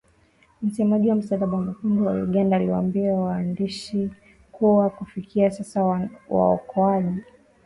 Msemaji wa Msalaba Mwekundu wa Uganda aliwaambia waandishi kuwa kufikia sasa waokoaji wamechukua miili ishirini na nne kutoka Mbale